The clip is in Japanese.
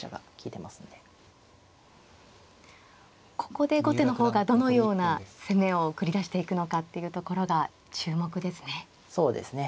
ここで後手の方がどのような攻めを繰り出していくのかっていうところが注目ですね。